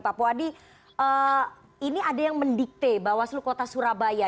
pak puadi ini ada yang mendikte bawaslu kota surabaya